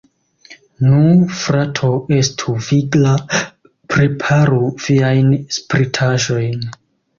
Nu, frato, estu vigla, preparu viajn spritaĵojn!